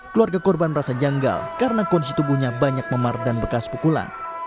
keluarga korban merasa janggal karena kondisi tubuhnya banyak memar dan bekas pukulan